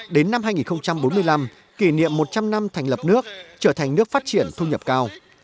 đến năm hai nghìn bốn mươi năm kỷ niệm một trăm linh năm thành lập nước trở thành nước phát triển thu nhập cao